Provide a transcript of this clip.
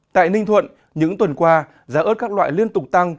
tại ninh thuận những tuần qua giá ớt các loại liên tục tăng